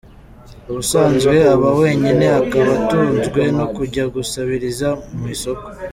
Ubusanzwe aba wenyine, akaba atunzwe no kujya gusabiriza mu isoko.